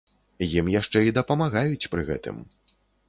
Ім яшчэ і дапамагаюць пры гэтым.